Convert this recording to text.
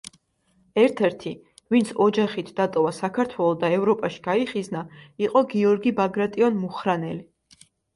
ერთ-ერთი, ვინც ოჯახით დატოვა საქართველო და ევროპაში გაიხიზნა, იყო გიორგი ბაგრატიონ-მუხრანელი.